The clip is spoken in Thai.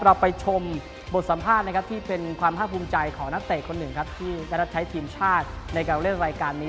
เราไปชมบทสัมภาษณ์นะครับที่เป็นความภาคภูมิใจของนักเตะคนหนึ่งครับที่ได้รับใช้ทีมชาติในการเล่นรายการนี้